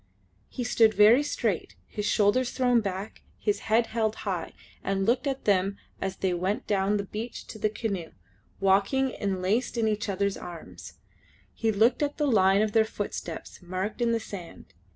He stood very straight, his shoulders thrown back, his head held high, and looked at them as they went down the beach to the canoe, walking enlaced in each other's arms. He looked at the line of their footsteps marked in the sand.